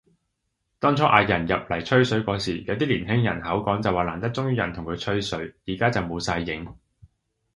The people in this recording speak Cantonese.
當初嗌人入嚟吹水嗰時，有啲年輕人口講就話難得終於有人同佢吹水，而家就冇晒影